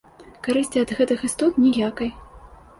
Карысці ад гэтых істот ніякай.